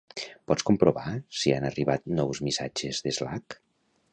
Pots comprovar si han arribat nous missatges d'Slack?